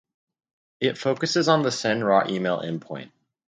It focuses on the Send Raw Email endpoint.